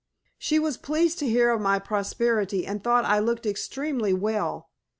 She was pleased to hear of my prosperity and thought I looked extremely well.